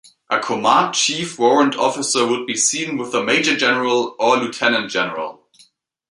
A command chief warrant officer would be seen with a major-general or lieutenant-general.